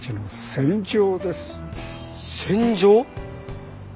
戦場？